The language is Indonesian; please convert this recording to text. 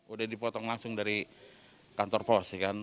udah dipotong langsung dari kantor pos